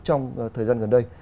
trong thời gian gần đây